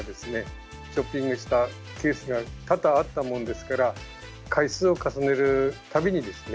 ショッピングしたケースが多々あったもんですから回数を重ねる度にですね